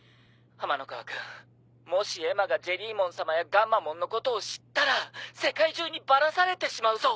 天ノ河君もしエマがジェリーモンさまやガンマモンのことを知ったら世界中にバラされてしまうぞ。